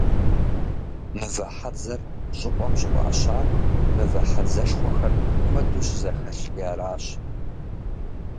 «Мывэ хьэдзэр» щӀыпӀэм щӀыфӀащар мывэ хьэдзэшхуэхэр куэду щызэхэлъти аращ.